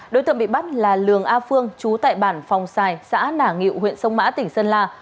đối tượng bị bắt là lương a phương chú tại bản phòng xài xã nả nghiệu huyện sông mã tỉnh sơn la